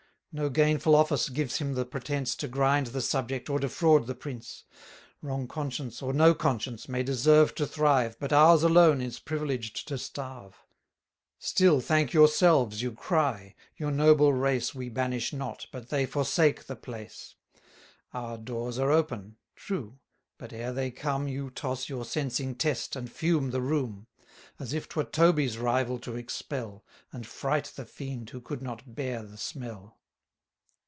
No gainful office gives him the pretence To grind the subject, or defraud the prince. Wrong conscience, or no conscience, may deserve To thrive, but ours alone is privileged to starve. Still thank yourselves, you cry; your noble race 750 We banish not, but they forsake the place; Our doors are open: true, but ere they come, You toss your 'censing Test, and fume the room; As if 'twere Toby's rival to expel, And fright the fiend who could not bear the smell.